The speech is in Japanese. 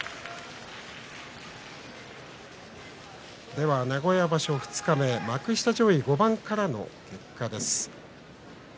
では名古屋場所二日目幕下上位５番からの結果です。